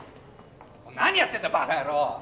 何やってんだバカ野郎！